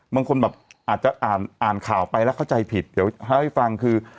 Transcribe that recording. บางคนแบบอาจจะอ่านอ่านข่าวไปแล้วเข้าใจผิดเดี๋ยวเล่าให้ฟังคือ